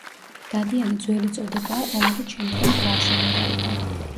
დადიანი ძველი წოდებაა, რომელიც შემდგომ გვარში გადავიდა.